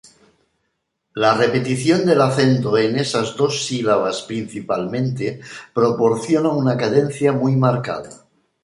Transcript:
La repetición del acento en esas dos sílabas principalmente proporciona una cadencia muy marcada.